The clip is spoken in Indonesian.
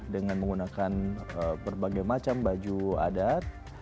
dengan menggunakan berbagai macam baju adat